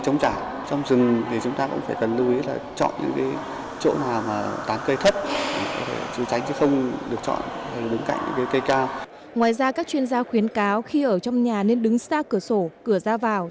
ngoài ra các chuyên gia khuyến cáo khi ở trong nhà nên đứng xa cửa sổ cửa ra vào